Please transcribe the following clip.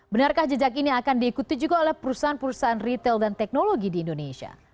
benarkah jejak ini akan diikuti juga oleh perusahaan perusahaan retail dan teknologi di indonesia